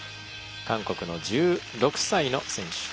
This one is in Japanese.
韓国の１６歳の選手。